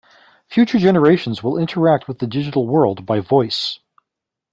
Future generations will interact with the digital world by voice.